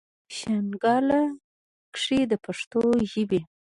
شانګله کښې د پښتو ژبې